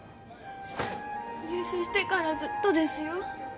入社してからずっとですよ